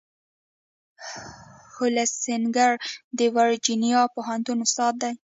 هولسینګر د ورجینیا پوهنتون استاد دی.